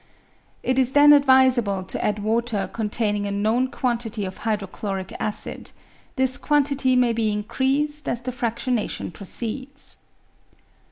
It is then advisable to add water containing a known quantity of hydrochloric acid ; this quantity maybe increased as the fraftionation proceeds.